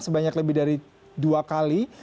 sebanyak lebih dari dua kali